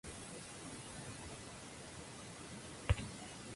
Por autonomías, la Comunidad Valenciana se alzó nuevamente con el triunfo.